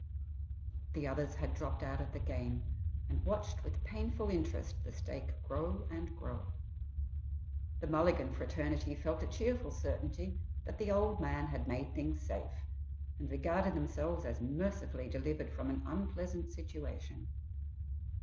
The others had dropped out of the game and watched with painful interest the stake grow and grow. The Mulligan fraternity felt a cheerful certainty that the "old man" had made things safe, and regarded themselves as mercifully delivered from an unpleasant situation.